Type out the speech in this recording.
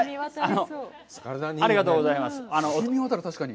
ありがとうございます。